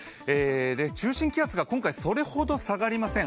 中心気圧が今回それほど下がりません。